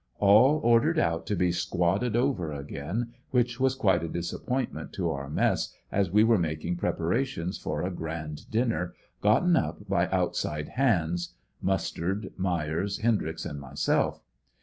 All ordered out to be squadded over again, which was quite a disappointment to our mess as we were making preparations for a grand dinner, gotten up by outside hands. Mustard, Myers, Hendry x and m3'Self